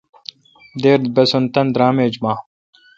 دیر بسن تان درام ایچ با۔